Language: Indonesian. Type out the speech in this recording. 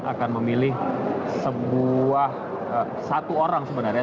akan memilih sebuah satu orang sebenarnya